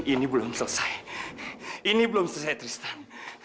ini belum selesai ini belum selesai tristan